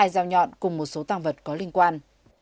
hai dao nhọn cùng một số tăng vật có liên quan